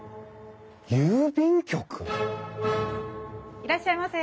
いらっしゃいませ。